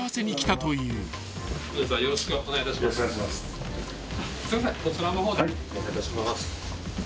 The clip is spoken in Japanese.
はいお願いいたします。